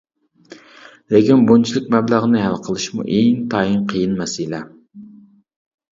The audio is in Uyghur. لېكىن بۇنچىلىك مەبلەغنى ھەل قىلىشمۇ ئىنتايىن قىيىن مەسىلە!